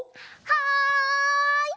はい！